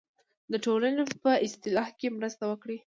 د ټولنې په اصلاح کې مرسته وکړئ.